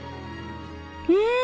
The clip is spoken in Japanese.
うん！